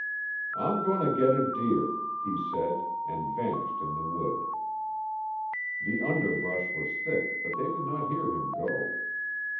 "I'm going to get a deer," he said and vanished in the wood. The underbrush was thick, but they did not hear him go.